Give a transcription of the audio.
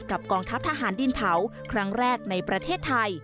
กองทัพทหารดินเผาครั้งแรกในประเทศไทย